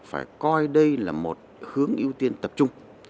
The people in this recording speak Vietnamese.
phải coi đây là một hướng ưu tiên tập trung